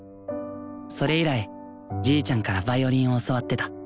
それ以来じいちゃんからヴァイオリンを教わってた。